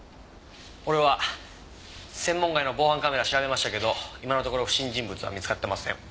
「俺は専門外の防犯カメラ調べましたけど今のところ不審人物は見つかってません」